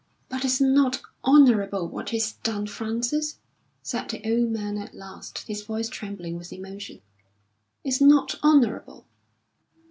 "But it's not honourable what he's done, Frances," said the old man at last, his voice trembling with emotion. "It's not honourable."